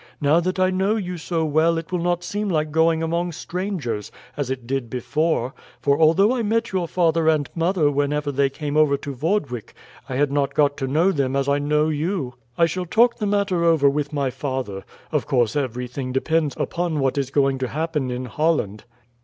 Now that I know you so well it will not seem like going among strangers, as it did before; for although I met your father and mother whenever they came over to Vordwyk, I had not got to know them as I know you. I shall talk the matter over with my father. Of course everything depends upon what is going to happen in Holland."